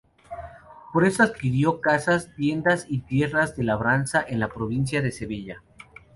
Por esto adquirió casas, tiendas y tierras de labranza en la provincia de Sevilla.